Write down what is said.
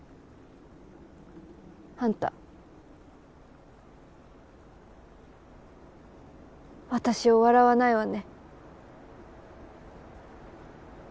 あんた私を笑わないわね。